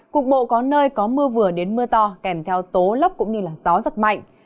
cục bộ có nơi có mưa vừa đến mưa to kèm theo tố lốc cũng như gió giật mạnh